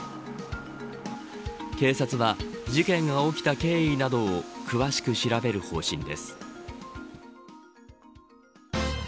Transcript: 警察は事件が起きた経緯などを詳しく調べる方針です。